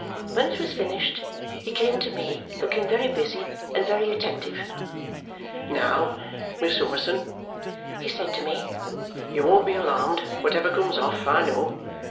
When it was finished he came to me looking very busy and very attentive. "Now, Miss Summerson," he said to me, "you won't be alarmed whatever comes off, I know.